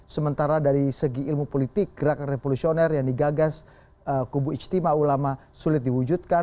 sementara dari segi ilmu politik gerakan revolusioner yang digagas kubu ijtima ulama sulit diwujudkan